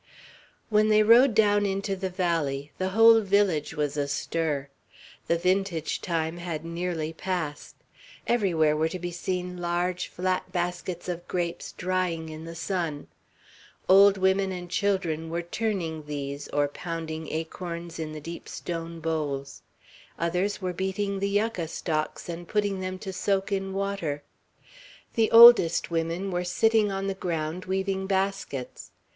When they rode down into the valley, the whole village was astir. The vintage time had nearly passed; everywhere were to be seen large, flat baskets of grapes drying in the sun. Old women and children were turning these, or pounding acorns in the deep stone bowls; others were beating the yucca stalks, and putting them to soak in water; the oldest women were sitting on the ground, weaving baskets.